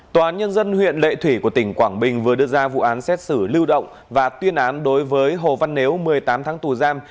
tòa án nhân dân huyện lệ thủy của tỉnh quảng bình vừa đưa ra vụ án xét xử lưu động và tuyên án đối với hồ văn nếu một mươi tám tháng tù giam